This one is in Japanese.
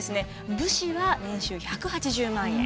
武士は年収１８０万円。